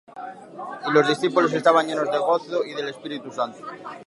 Y los discípulos estaban llenos de gozo, y del Espíritu Santo.